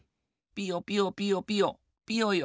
ピヨピヨピヨピヨピヨヨ。